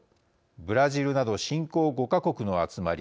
ブラジルなど新興５か国の集まり